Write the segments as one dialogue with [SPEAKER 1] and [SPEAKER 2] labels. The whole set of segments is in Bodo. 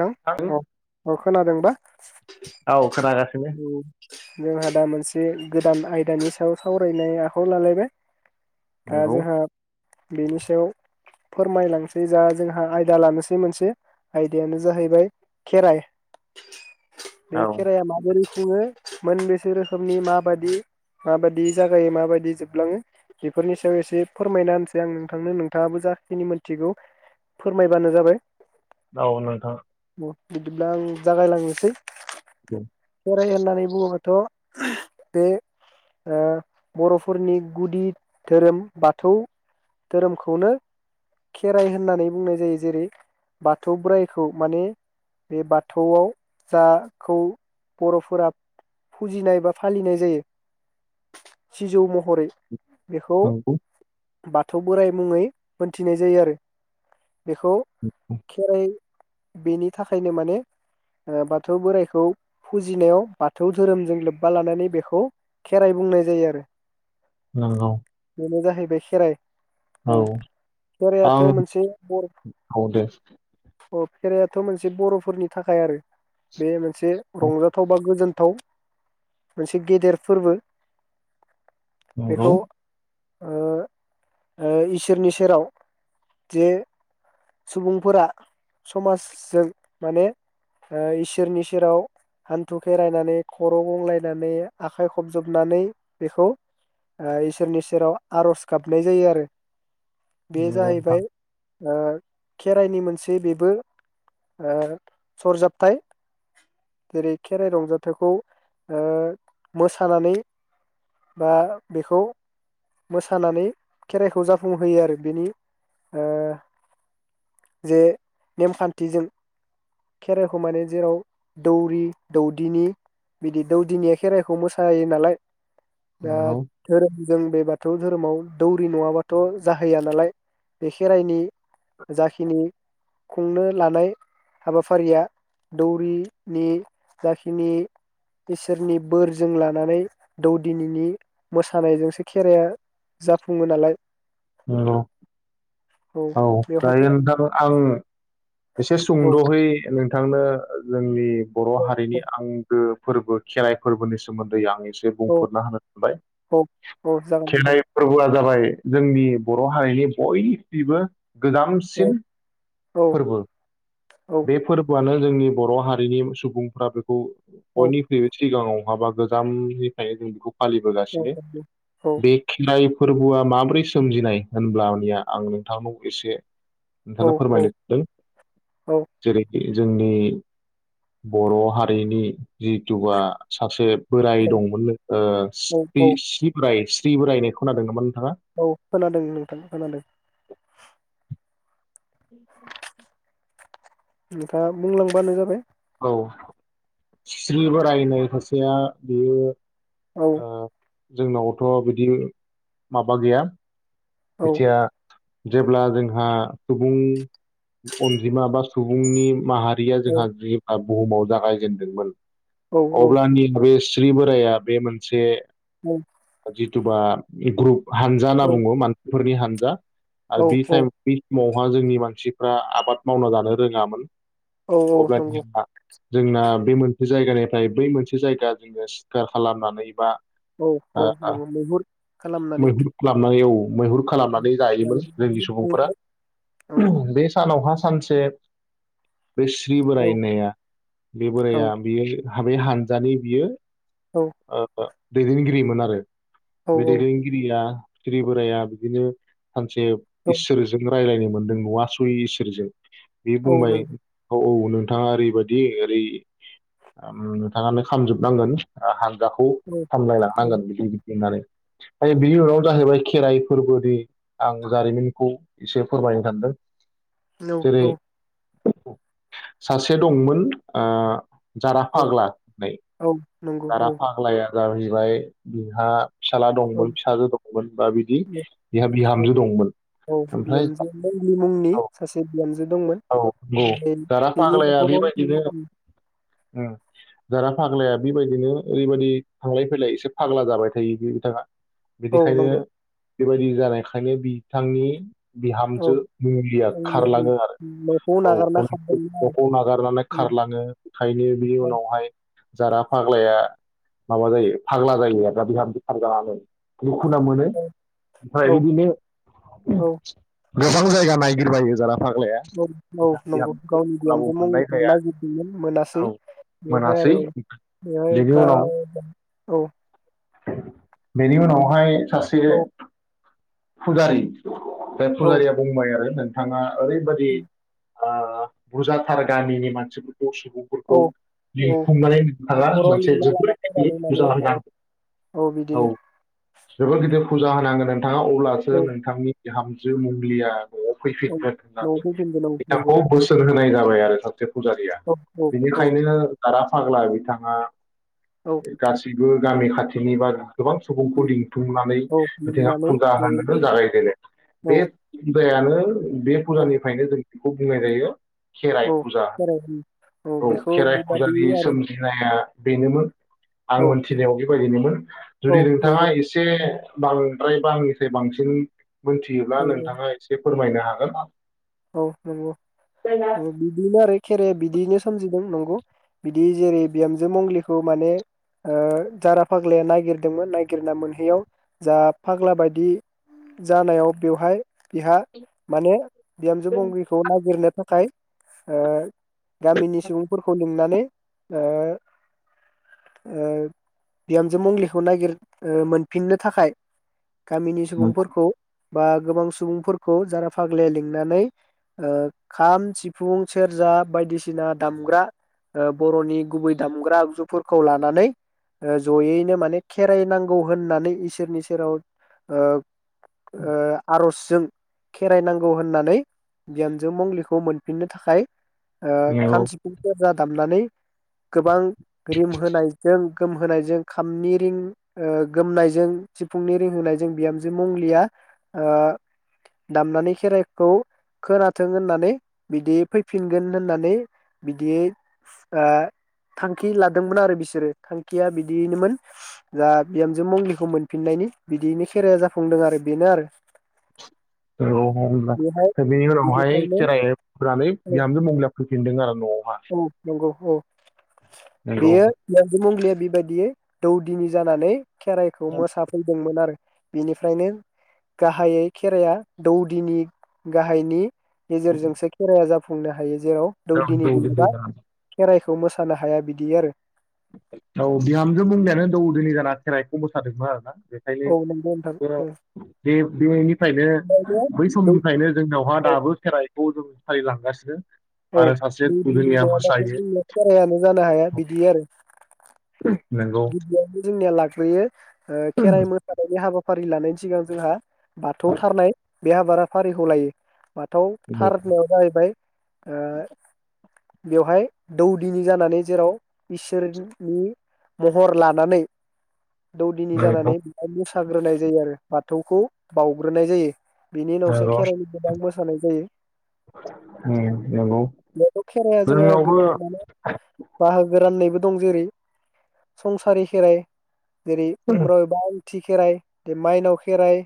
[SPEAKER 1] औ औ खोनादोंबा
[SPEAKER 2] औ खोनागासिनो
[SPEAKER 1] जोंहा दा मोनसे गोदान आयदानि सायाव सावरायनाय आखायाव लालायबाय दा
[SPEAKER 2] नंगौ
[SPEAKER 1] जोंहा बेनि सायाव फोरमायलांसै जा जोंहा आयदा लानोसै मोनसे आय आयदायानो जाहैबाय खेराइ बे
[SPEAKER 2] औ
[SPEAKER 1] खेराइाया माबोरै खुङो मोनबेसे रोखोमनि माबायदि माबायदि जागायो माबायदि जोबलाङो बेफोरनि सायाव एसे फोरमायना होनसै आं नोंथांनो नोंथाङाबो जाखिनि मोनथिगौ फोरमायबानो जाबाय
[SPEAKER 2] औ नोंथां
[SPEAKER 1] बिदिब्ला आं जागायलांनोसै खेराइ होननानै बुङोबा थ' बे ओ बर'फोरनि गुदि धोरोम बाथौ धोरोमखौनो खेराइ होननानै बुंनाय जायो जेरै बाथौ बोराइ खौ माने बे बाथौआव जाखौ बर'फोरा फुजिनाय बा फालिनाय जायो सिजौ महरै बेखौ
[SPEAKER 2] नंगौ
[SPEAKER 1] बाथौ बोराइ मुङै मोनथिनाय जायो आरो बेखौ खेराइ बेनि थाखायनो माने ओ बाथौ बोराइखौ फुजिनायाव बाथौ धोरोमजों लोब्बा लानानै बेखौ खेराइ बुंनाय जायो आरो
[SPEAKER 2] नंगौ
[SPEAKER 1] बेनो जाहैबाय खेराइ
[SPEAKER 2] औ
[SPEAKER 1] खेराइयाथ'
[SPEAKER 2] आं
[SPEAKER 1] मोनसे बर'
[SPEAKER 2] औ दे
[SPEAKER 1] अ खेराइयाथ' मोनसे बर'फोरनि थाखाय आरो बे मोनसे मोनसे रंजाथाव बा गोजोनथाव मोनसे गेदेर फोरबो
[SPEAKER 2] नंगौ
[SPEAKER 1] बेखौ ओ ओ इसोरनि सेराव जे सुबुंफोरा समाजजों माने ओ इसोरनि सेराव हान्थु खेरायनानै खर' गंलायनानै आखाइ खबजोबनानै बेखौ ओ इसोरनि सेराव आर'ज गाबनाय जायो आरो बे
[SPEAKER 2] नोंथां
[SPEAKER 1] जाहैबाय ओ खेराइनि मोनसे बे बो ओ सरजाबथाय जेरै खेराइ रंजाथाइखौ ओ मोसानानै बा ओ बेखौ मोसानानै खेराइखौ जाफुंहोयो ओ जे नेमखान्थिजों खेराइखौ माने जेराव दौरि दौदिनि बिदि दौदिनिया खेराइखौ मोसायो नालाय ओ दा
[SPEAKER 2] नंगौ
[SPEAKER 1] धोरोम जों बे बाथौ धोरोमाव दौरि नङाबाथ' जाहैया नालाय बे खेराइनि जाखिनि खुंनो लानाय हाबाफारिया दौरिनि जाखिनि इसोरनि बोरजों लानानै दौदिनिनि मोसानायजोंसो खेराइ जाफुङो नालाय।
[SPEAKER 2] औ औ जायो नोंथां आङो एसे
[SPEAKER 1] औ
[SPEAKER 2] सुंद'है नों बिथांनो जोंनि बर' हारिनि आंगो फोरबो खेराइ फोरबोनि सोमोन्दै आं
[SPEAKER 1] औ
[SPEAKER 2] बुंफोरना होनो सानबाय
[SPEAKER 1] औ औ जागोन नोंथां
[SPEAKER 2] खेराइ फोरबोआ जाबाय जोंनि बर' हारिनि बयनिबो
[SPEAKER 1] औ
[SPEAKER 2] गोजामसिन
[SPEAKER 1] औ
[SPEAKER 2] फोरबो
[SPEAKER 1] औ
[SPEAKER 2] बे फोरबोआनो जोंनि बर' हारिनि सुबुंफोरा बेखौ
[SPEAKER 1] औ
[SPEAKER 2] बयनिख्रुइबो सिगाङाव नङाबा गोजामनिफ्राय जों बेखौ
[SPEAKER 1] औ
[SPEAKER 2] फालिबोगासिनो बे खेराइ फोरबोआ माब्रै सोमजिनाय होनब्लानिया आं नोंथांनाव एसे नोंथांनो
[SPEAKER 1] औ
[SPEAKER 2] फोरमाय [unintelligible]
[SPEAKER 1] औ
[SPEAKER 2] जेरै जोंनि बर' हारिनि जिथुबा सासे बोराय दंमोननो ओ
[SPEAKER 1] औ
[SPEAKER 2] सि सि बोराय सि बोराइ होननायखौ खोनादों [unintelligible]
[SPEAKER 1] औ खोनादों नोंथां खोनादों ।
[SPEAKER 2] [inaudible]
[SPEAKER 1] नोंथाङा बुंलांबानो जाबाय ।
[SPEAKER 2] औ खिस्रि बोराइ होननाय खासेया बेयो
[SPEAKER 1] औ
[SPEAKER 2] अ जोंनावथ' बिदि माबा गैया
[SPEAKER 1] औ
[SPEAKER 2] एथिया जेब्ला जोंहा सुबुं अनजिमा बा सुबुंनि माहारि या
[SPEAKER 1] औ
[SPEAKER 2] जोंहा बुहुमाव जागायजेनदोंमोन
[SPEAKER 1] औ
[SPEAKER 2] अब्ला निनभेस स्रि बोराया बे मोनसे
[SPEAKER 1] औ
[SPEAKER 2] जिथु बा ग्रुप हानजा होनना बुङो मान फोरनि हान्जा
[SPEAKER 1] औ
[SPEAKER 2] आरो बि टाइम समावहा जोंनि मानसिफ्रा आबाद मावना जानो रोङामोन
[SPEAKER 1] औ औ नंगौ
[SPEAKER 2] अब्लानिया जोंना बे मोनसे जायगानिफ्राय बै मोनसे जायगा जोंङनो सिखार खालामनानै बा
[SPEAKER 1] औ औ
[SPEAKER 2] ओ
[SPEAKER 1] नंगौ मैहुर खालामनानै
[SPEAKER 2] मैहुर खालामनानै औ मैहुर खालामनानै जायोमोन
[SPEAKER 1] मानो
[SPEAKER 2] जोंनि सुबुंफोरा
[SPEAKER 1] औ
[SPEAKER 2] बे सानावहा सानसे बे स्रि
[SPEAKER 1] औ
[SPEAKER 2] बोराय होननाया बे
[SPEAKER 1] औ
[SPEAKER 2] बोराइाया बियो हाबै हानजानि बियो
[SPEAKER 1] औ
[SPEAKER 2] ओ दैदेनगिरिमोन आरो बे दैदेनगिरिया ज [unintelligible] बोराया बिदिनो सानसे इसोरजोंनो रायज्लायनो मोन्दों नुवासै इसोरजों बे
[SPEAKER 1] औ
[SPEAKER 2] बुंबाय
[SPEAKER 1] नंगौ
[SPEAKER 2] औ औ नों नोंथाङा ओरैबायदि ओरै नोंथाङानो खामजोबनांगोन खौ
[SPEAKER 1] औ
[SPEAKER 2] सामलायलांनांगोन बि होननानै आरो बि [unintelligible] खेराइ फोरबोनि आं जारिमिनखौ एसे फोरमायनो सानदों
[SPEAKER 1] औ औ
[SPEAKER 2] जेरै सासे दंमोन आ जारा
[SPEAKER 1] औ
[SPEAKER 2] फाग्ला नै
[SPEAKER 1] औ नंगौ
[SPEAKER 2] जारा
[SPEAKER 1] औ
[SPEAKER 2] फाग्लाया जाहैबाय बिहा फिसाला दंमोन फिसाजो दंमोन बा बिदि बिहा
[SPEAKER 1] औ
[SPEAKER 2] बिहामजो दंमोन
[SPEAKER 1] औ
[SPEAKER 2] ओमफ्राय
[SPEAKER 1] बिहामजो मुंग्लि मुंनि सासे बिहामजो दंमोन
[SPEAKER 2] औ औ जारा
[SPEAKER 1] बेनि
[SPEAKER 2] फाग्लाया
[SPEAKER 1] न'खराव
[SPEAKER 2] बेबायदिनो ओम जारा फाग्लाया बेबायदिनो ओरैबायदि थांलाय फैलाय एसे फाग्ला जाबाय थायो बे बिथाङा
[SPEAKER 1] औ
[SPEAKER 2] बिनिखायनो
[SPEAKER 1] नंगौ
[SPEAKER 2] बेबायदि जानायखायनो बिथांनि
[SPEAKER 1] औ
[SPEAKER 2] बिहामजो मुंग्लिया
[SPEAKER 1] मंग्लिया
[SPEAKER 2] खारलाङो आरो
[SPEAKER 1] न'खौ नागारना
[SPEAKER 2] औ
[SPEAKER 1] खारदोंमोन
[SPEAKER 2] नखौ नागारनानै
[SPEAKER 1] आरो
[SPEAKER 2] खारलाङो खायनो बिनि उनावहाय जारा फाग्लाया माबा जायो फाग्ला जायो आरो बिहामजो खारजानानै दुखुु ना मोनो ओमफ्राय
[SPEAKER 1] औ
[SPEAKER 2] बिदिनो
[SPEAKER 1] औ
[SPEAKER 2] गोबां जायगा नागिरबायो जारा फा ग्लाया
[SPEAKER 1] औ औ नंगौ गावनि बिहामजो मंग्लिखौ नागिरदोंमोन मोनासै
[SPEAKER 2] औ
[SPEAKER 1] बेवहाय
[SPEAKER 2] मोनासै
[SPEAKER 1] आरो बेवहाय
[SPEAKER 2] बेनि उनाव
[SPEAKER 1] गाव औ
[SPEAKER 2] बेनि उनावहाय सासे
[SPEAKER 1] औ
[SPEAKER 2] फुजारि बे
[SPEAKER 1] औ
[SPEAKER 2] फुजारिया बुंबाय आरो नों थाङा ओरैबादि ओ बुरजाथार गामिनि मानसि फोर खौ
[SPEAKER 1] औ
[SPEAKER 2] सुबुंफोरखौ
[SPEAKER 1] औ
[SPEAKER 2] लिंथुमनानै नोंथाङा
[SPEAKER 1] न'खराव
[SPEAKER 2] मोनसे
[SPEAKER 1] लिंना लाना
[SPEAKER 2] जोबोर गिदिर
[SPEAKER 1] फैनानै माने
[SPEAKER 2] फुजा
[SPEAKER 1] आरो
[SPEAKER 2] होनांगौ औ [unintelligible] बे फुजा होनोगोनां नोंथाङा अब्लासो
[SPEAKER 1] औ
[SPEAKER 2] नोंथांनि बिहामजो मुंग्लिया न'आव
[SPEAKER 1] औ
[SPEAKER 2] फैफिनगोन
[SPEAKER 1] न'आव
[SPEAKER 2] होननानै
[SPEAKER 1] फैफिनगोन औ नंगौ
[SPEAKER 2] बिथांखौ बोसोन होनाय जाबाय आरो सासे फुजारिया
[SPEAKER 1] औ औ
[SPEAKER 2] बेनिखायनो दारा फाग्ला बिथाङा
[SPEAKER 1] औ औ
[SPEAKER 2] गासैबो गामि खाथिनि बारा गोबां सुबुंखौ लिंथुमनानै
[SPEAKER 1] औ
[SPEAKER 2] बिथाङा
[SPEAKER 1] लिंनानै
[SPEAKER 2] फुजा होनो जागायजेनो बे
[SPEAKER 1] औ
[SPEAKER 2] दायानो बे
[SPEAKER 1] औ
[SPEAKER 2] फुजानिफ्रायनो जों खुब बुंनाय जायो खेराइ
[SPEAKER 1] औ
[SPEAKER 2] फुजा
[SPEAKER 1] बोराय होयो
[SPEAKER 2] औ
[SPEAKER 1] बेखौ
[SPEAKER 2] खेराइ फुजानि
[SPEAKER 1] बेबादिनो आरो
[SPEAKER 2] सोमजिनाया बेनोमोन आं
[SPEAKER 1] औ
[SPEAKER 2] मोन [inaudible] नायाव बेबायदिनोमोन
[SPEAKER 1] औ
[SPEAKER 2] जुदि नोंथाङा
[SPEAKER 1] नंगौ
[SPEAKER 2] एसे बांद्राय बा आंनिफ्राय बांसिन मिथियोब्ला
[SPEAKER 1] औ
[SPEAKER 2] नोंथाङा एसे फोरमायनो हागोन
[SPEAKER 1] औ नंगौ उम बिदिनो आरो खेराया बिदियैनो सोमजिदों नंगौ बिदि जेरै बिहामजो मंलिखौ माने ओ जारा फाग्लाया नागिरदोंमोन नायगिरना मोनहैयाव जा फाग्ला बायदि जानायाव बेवहाय बिहा माने बिहामजो मंग्लिखौ नागिरनो थाखाय ओ गामिनि सुबुंफोरखौ लोंनानै ओ ओ बिहामजो मंलिखौ नागिर ओ मोनफिननो थाखाय गामिनि सुबुंफोरखौ बा गोबां सुबुंफोरखौ जारा फाग्ला लिं नानै ओ खाम सिफुं सेरजा बायदिसिना दामग्रा ओ बर'नि गुबै दामग्रा आगजुफोरखौ लानानै ओ जयैनो माने खेराइ नांगौ होननानै इसोरनि सेराव ओ ओ आर'जजों खेराइनांगौ नांगौ होननानै गियानजों मंलिखौ मोनफिननो थाखाय ओ
[SPEAKER 2] नंगौ
[SPEAKER 1] खाम सिफुं सेरजा दामनानै गोबां ग्रिम होनायजों गोम होनायजों खामनि रिन ओ गोमनायजों सिफुंनि रिंहायजों बिहामजो मंलिया ओ दाम खेराइखौ खोनाथों होननानै बिदि फैफिनगोन होननानै बिदियै ओ थांखि लादोंमोन आरो बिसोरो थांखिया बिदियैनोमोन दा बिहामजो मंलिखौ मोनफिननायनि बिदियैनो खेराइाया जाफुंदों आरो बेनो आरो
[SPEAKER 2] औ होना
[SPEAKER 1] बेहाय
[SPEAKER 2] दा बेनि उनावहाय
[SPEAKER 1] बिनिफ्रायनो
[SPEAKER 2] खेरायनानै
[SPEAKER 1] औ
[SPEAKER 2] बिहामजो मंलिया फैफिनदों आरो न'आवहा
[SPEAKER 1] औ नंगौ औ
[SPEAKER 2] नोंगौ
[SPEAKER 1] बेयो मुंलिया बेबायदियै दौदिनि जानानै खेराइखौ मोसाफैदोंमोन आरो बेनिफ्रायनो गाहायै खेराया दौदिनि गाहायनि गेजेरजोंसो खेराया जाफुं फुंनो हायो जेराव
[SPEAKER 2] औ
[SPEAKER 1] दौदिनि गैया
[SPEAKER 2] जाना
[SPEAKER 1] खेराइखौ थ मोसानो हाया बिदि आरो
[SPEAKER 2] औ बिहामजो बुंनायानो दौदोनि जाना खेराइखौ मोसादोंमोन आरो ना ।
[SPEAKER 1] औ नंगौ नोंथां
[SPEAKER 2] बेखायनो बे बेनिफ्रायनो
[SPEAKER 1] उम
[SPEAKER 2] बै
[SPEAKER 1] दौ
[SPEAKER 2] समनिफ्रायनो जोंनावहा
[SPEAKER 1] औ
[SPEAKER 2] दाबो खेराइखौ जों फालि लांगासि
[SPEAKER 1] औ दौदोनि नङाबाथ' जोंनिया खेरायानो जानो हाया बिदि आरो ।
[SPEAKER 2] नंगौ
[SPEAKER 1] गिबियावनो जोंनिया लाग्रयो ओ खेराइ मोसानायनि हाबा फारि लानायनि सिगां जोंहा बाथौथारनाय बे हाबा फारिखौ लायो बाथौ थारनायाव जाहैबाय अ बेवहाय दौदिनि जानानै जेराव इसोरनि महर लानानै दौदिनि
[SPEAKER 2] नंगौ
[SPEAKER 1] जानानै मोसाग्रोनाय जायो आरो बा थौखौ बाउग्रोनाय जायो । बिनि उनावसो
[SPEAKER 2] नंगौ
[SPEAKER 1] खेराइनि गोबां मोसानाय जायो
[SPEAKER 2] उम नंगौ
[SPEAKER 1] बे खेराइआ जोंहा गोबां
[SPEAKER 2] जोंनावबो
[SPEAKER 1] माने बाहागो राननायबो दं जेरै संसारि खेराइ जेरै उम्राव एबा फुथि खेराइ माइनाव खेराइ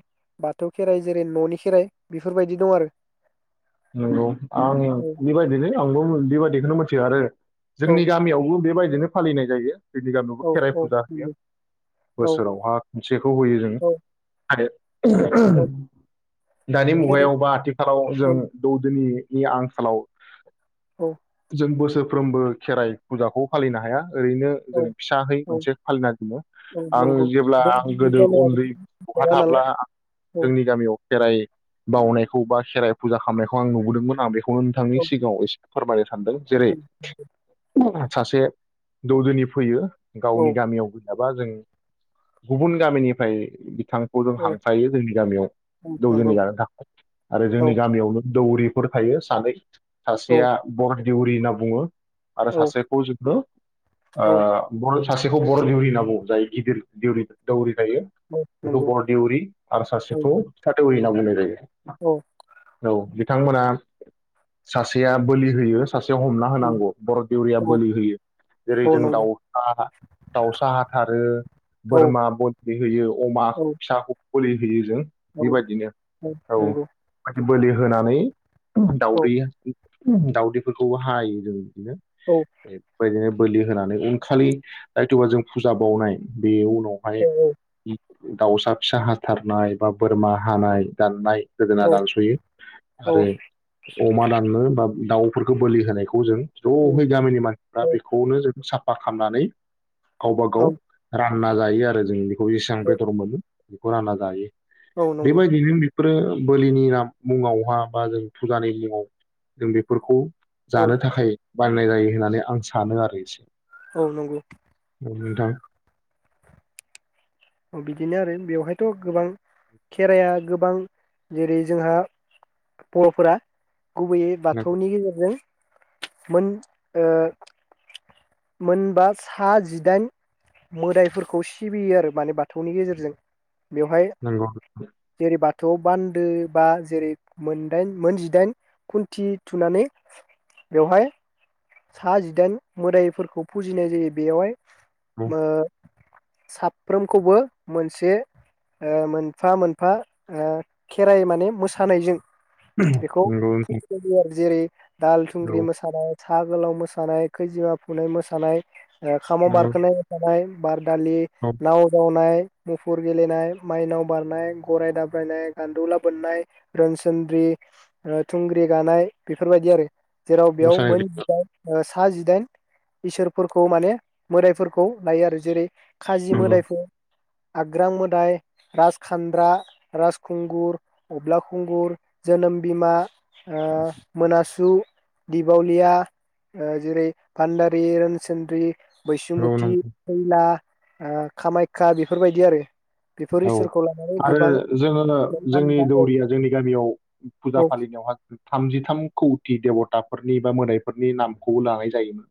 [SPEAKER 1] बाथौ खेराइ जेरै न'नि खेराइ बेफोरबायदि दं आरो ।
[SPEAKER 2] नंगौ आं बेबायदिनो आंबो बेबायदिखौनो मिथियो आरो
[SPEAKER 1] औ
[SPEAKER 2] जोंनि गामियावबो बेबायदि बिदिनो फालिनाय जायो । जोंनि गामियावबो
[SPEAKER 1] औ
[SPEAKER 2] खेराइ
[SPEAKER 1] औ
[SPEAKER 2] फुजा होयो
[SPEAKER 1] नंगौ औ
[SPEAKER 2] बोसोरावहा खनसेखौ होयो जोङो
[SPEAKER 1] औ
[SPEAKER 2] आरो
[SPEAKER 1] औ
[SPEAKER 2] दानि
[SPEAKER 1] खेराइ
[SPEAKER 2] मुगायाव बा आथिखालाव
[SPEAKER 1] औ
[SPEAKER 2] जों [unintelligible] आंखालाव
[SPEAKER 1] औ
[SPEAKER 2] जों बोसोरफ्रोमबो खेराइ फुजाखौ फालिनो हाया । ओरैनो जों
[SPEAKER 1] औ
[SPEAKER 2] फिसाहै
[SPEAKER 1] औ
[SPEAKER 2] मोनसे फालिना दोनो
[SPEAKER 1] औ
[SPEAKER 2] आं
[SPEAKER 1] नंगौ
[SPEAKER 2] जेब्ला
[SPEAKER 1] बे
[SPEAKER 2] आं गोदो
[SPEAKER 1] जालाया
[SPEAKER 2] उन्दै बहा
[SPEAKER 1] नङा नालाय
[SPEAKER 2] थाब्ला
[SPEAKER 1] औ
[SPEAKER 2] जोंनि गामियाव खेराइ बावनायखौ बा खेराइ फुजा खालामनायखौ आं नुबोदोंमोन आं बे नोंथांनि
[SPEAKER 1] औ
[SPEAKER 2] सिगाङाव एसे फोरमायनो सानदों जेरै [unintelligible] सासे दौदिनि फैयो
[SPEAKER 1] औ
[SPEAKER 2] गावनि गामियावबो बा जों गुबुन गामिनिफ्राय बिथांखौ जों
[SPEAKER 1] औ
[SPEAKER 2] हांख्रायो जोंनि गामियाव
[SPEAKER 1] औ नंगौ
[SPEAKER 2] दौदिनि जानो थाखाय आरो
[SPEAKER 1] औ
[SPEAKER 2] जोंनि गामियावनो दौरिफोर थायो सानै
[SPEAKER 1] औ
[SPEAKER 2] सासेया बर देउरि होनना बुङो आरो
[SPEAKER 1] औ
[SPEAKER 2] ससेखौ जोंनो ओ
[SPEAKER 1] औ
[SPEAKER 2] बर सासेखौ बर' देउरि होन बो बुं जायो गिदिर दरि दौरि
[SPEAKER 1] औ
[SPEAKER 2] बेखौ
[SPEAKER 1] नंगौ
[SPEAKER 2] बरदेउरि आरो
[SPEAKER 1] औ
[SPEAKER 2] सासेखौ' फिसा दौरि होनना बुं बुंनाय जायो
[SPEAKER 1] औ
[SPEAKER 2] औ बिथांमोना सासेया बोलि होयो सासे हमना
[SPEAKER 1] औ
[SPEAKER 2] होनांगौ बर' देउरिया
[SPEAKER 1] औ
[SPEAKER 2] बोलि होयो जेरै
[SPEAKER 1] औ
[SPEAKER 2] जों
[SPEAKER 1] नंगौ
[SPEAKER 2] दाउसा दाउसा हाथारो
[SPEAKER 1] औ औ
[SPEAKER 2] बोरमा बोलि होयो अमा
[SPEAKER 1] औ
[SPEAKER 2] फिसाखौ बोलि होयो जों
[SPEAKER 1] औ
[SPEAKER 2] बेबायदिनो
[SPEAKER 1] औ नंगौ
[SPEAKER 2] माने बोलि होनानै दाउदैया दाउदैफोरखौबो हायो जों बिदिनो बेफोरबायदिनो बोलि होनानै उनखालि जायथबा जों फुजा बावनाय बेयाव बेवहाय दाउसा फिसा हाथारनाय बा बोरमा हानाय दाननाय गोदोना दानस'नाय आरो अमा दाननो बा दाउफोरखौ बोलि होनायखौ जों ज'है गामिनि मानसिफ्रा बेखौनो जों साफा खालामनानै गावबा गाव रानना जायो आरो जों बेखौ जेसेबां बेदर मोनो बेखौ रानना जायो बेबायदियैनो बेफोरो बोलिनि नाम मुङावहा बा जों फुजानि मुङाव जों बेफोरखौ
[SPEAKER 1] औ
[SPEAKER 2] जानो थाखाय बायनाय जायो होननानै आं सानो आरो एसे
[SPEAKER 1] औ नंगौ
[SPEAKER 2] औ नोंथां
[SPEAKER 1] बिदिनो आरो बेवहायथ' गोबां खेराया गोबां जेरै जोंहा बर'फोरा गुबैयै
[SPEAKER 2] नंगौ
[SPEAKER 1] बाथौनि गेजेरजों मोन ओ मोनबा सा जिदाइन मोदायफोरखौ सिबियो आरो । माने बाथौनि गेजेरजों बेवहाय
[SPEAKER 2] नंगौ औ
[SPEAKER 1] जेरै बाथौ थ' बान्दो बा जेरै मोनदाइन मोनजिदाइन खुन्थि थुनानै बेवहाय सा जिदाइन मोदायफोरखौ फुजिनाय जायो बेयावहाय मो साफ फ्रोमखौबो मोनसे ओ मोनफा मोनफा ओ खेराइ माने मोसानायजों बेखौ
[SPEAKER 2] नंगौ नोंथां
[SPEAKER 1] फुजिनाय जायो आरो जेरै दाहाल
[SPEAKER 2] औ
[SPEAKER 1] थुंग्रि मोसानाय साहा गोलाव मोसानाय, खैजिमा फुनाय मोसानाय खामाव
[SPEAKER 2] नंगौ
[SPEAKER 1] बारखोनाय मोसानाय बार दालि
[SPEAKER 2] औ
[SPEAKER 1] नाव जावनाय मुफुर गेलेनाय, माइनाव बारनाय, गराय दाब्रायनाय, गानदौला बोननाय, रोनसोनद्रि अ थुंग्रि गानाय बेफोरबायदि आरो । जेराव बेयाव
[SPEAKER 2] मोसानाय
[SPEAKER 1] मोन
[SPEAKER 2] जायो
[SPEAKER 1] जिदाइन ओ सा जिदाइन इसोरफोरखौ माने मोदायफोरखौ लायो आरो जेरै
[SPEAKER 2] नंगौ
[SPEAKER 1] [unintelligible] आग्रां मोदाय, राजखानद्रा, राजखुंगुर [unintelligible] खुंगुर जोनोम बिमा अ मोनासु दिपावलिया अ जेरै भानदारि रोनसोनद्रि
[SPEAKER 2] नंगौ
[SPEAKER 1] बैसुमुति
[SPEAKER 2] नंगौ
[SPEAKER 1] खैला आ कामाख्या बेफोरबायदि आरो बेफोर
[SPEAKER 2] औ
[SPEAKER 1] इसोरखौ लानानै
[SPEAKER 2] आरो
[SPEAKER 1] गोबां
[SPEAKER 2] जोङोनो
[SPEAKER 1] मोनफा
[SPEAKER 2] जोंनि
[SPEAKER 1] मोनफा
[SPEAKER 2] दौरिया जोंनि गामियाव
[SPEAKER 1] औ
[SPEAKER 2] फुजा
[SPEAKER 1] औ
[SPEAKER 2] फालिनायावहा थामजिथाम खौथि देबथा फोरनि बा मोदायफोरनि नामखौबो लानाय जायोमोन